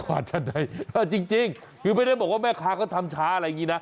ว้าวจริงคุณไม่ได้บอกว่าแม่ค้าก็ทำช้า